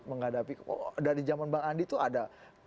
menghadapi oh dari zaman bang andi itu ada